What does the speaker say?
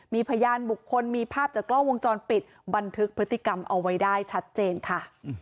มีพยานบุคคลมีภาพจากกล้องวงจรปิดบันทึกพฤติกรรมเอาไว้ได้ชัดเจนค่ะ